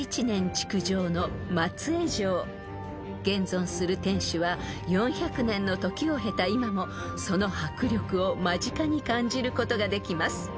［現存する天守は４００年の時を経た今もその迫力を間近に感じることができます］